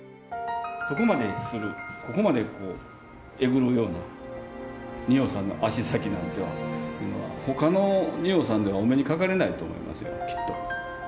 そこまでするここまでえぐるような仁王さんの足先なんていうのは他の仁王さんではお目にかかれないと思いますよきっと。